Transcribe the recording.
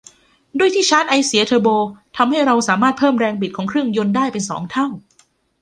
ด้วยที่ชาร์จไอเสียเทอร์โบทำให้เราสามารถเพิ่มแรงบิดของเครื่องยนต์ได้เป็นสองเท่า